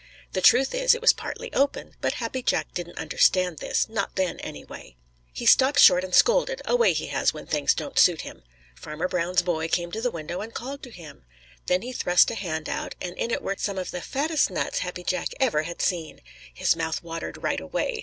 The truth is it was partly open, but Happy Jack didn't understand this, not then, anyway. He stopped short and scolded, a way he has when things don't suit him. Farmer Brown's boy came to the window and called to him. Then he thrust a hand out, and in it were some of the fattest nuts Happy Jack ever had seen. His mouth watered right away.